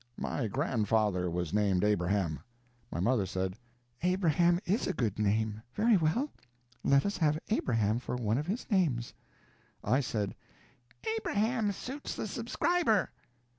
My grandfather was named Abraham." My mother said: "Abraham is a good name. Very well. Let us have Abraham for one of his names." I said: "Abraham suits the subscriber."